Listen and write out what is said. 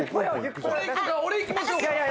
俺いきましょうか？